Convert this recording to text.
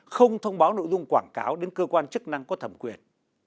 không thông báo nội dung quảng cáo đến cơ quan chức năng có thẩm quyền